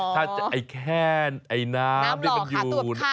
อ๋อน้ำล่อขาตุ๊กข้าว